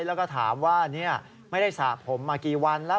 แล้วก็ถามว่าไม่ได้สระผมมากี่วันแล้ว